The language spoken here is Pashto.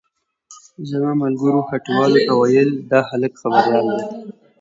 زما ملګرو هټيوالو ته وويل دا هلک خبريال دی.